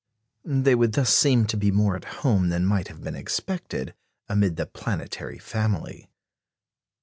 They would thus seem to be more at home than might have been expected amid the planetary family.